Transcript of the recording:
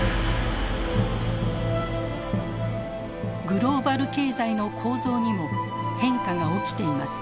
グローバル経済の構造にも変化が起きています。